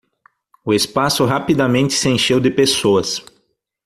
O espaço rapidamente se encheu de pessoas.